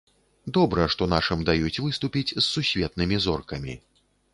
Добра, што нашым даюць выступіць з сусветнымі зоркамі.